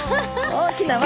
大きな輪。